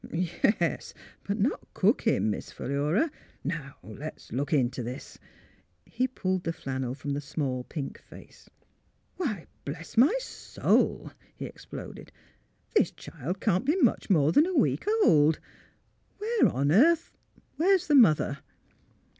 " Yes, but not cook him. Miss Philura. Now, let's look into this." He pulled away the flannel from the small, pink face. '' Why, bless my soul! " he exploded. " This child can 't be much more than a week old. Where on earth — where 's the mother?